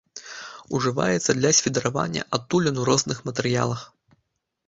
Ужываецца для свідравання адтулін у розных матэрыялах.